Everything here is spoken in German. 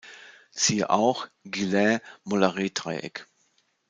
Siehe auch: Guillain-Mollaret-Dreieck